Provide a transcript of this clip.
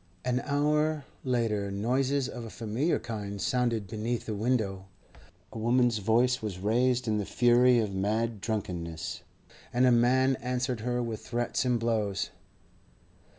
An hour later noises of a familiar kind sounded beneath the window. A woman's voice was raised in the fury of mad drunkenness, and a man answered her with threats and blows.